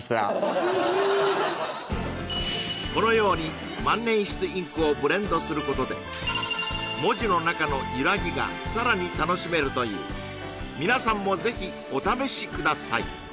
このように万年筆インクをブレンドすることで文字の中のゆらぎがさらに楽しめるという皆さんもぜひお試しください